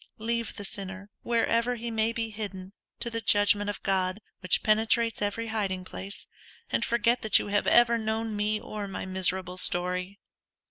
Leave the sinner, wherever he may be hidden, to the judgment of God, which penetrates every hiding place; and forget that you have ever known me, or my miserable story.